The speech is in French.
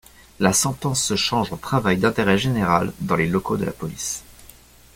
La sentence se change en travail d'intérêt général dans les locaux de la police.